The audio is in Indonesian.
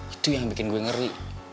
itu yang bikin gue ngeri